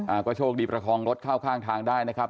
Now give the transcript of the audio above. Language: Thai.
ก็โชคดีประคองรถเข้าข้างทางได้นะครับ